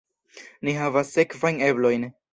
Ni havas sekvajn eblojn.